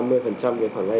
một tháng cho vay tầm mấy